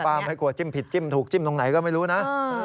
ไม่กลัวจิ้มผิดจิ้มถูกจิ้มตรงไหนก็ไม่รู้นะ